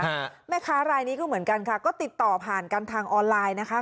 ฮะแม่ค้ารายนี้ก็เหมือนกันค่ะก็ติดต่อผ่านกันทางออนไลน์นะคะ